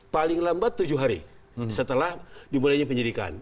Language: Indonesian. paling lambat tujuh hari setelah dimulainya penyidikan